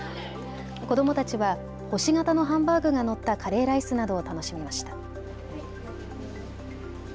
子どもたちは星形のハンバーグが載ったカレーライスなどを楽しみました。